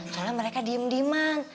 soalnya mereka diam diaman